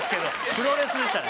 プロレスでしたね。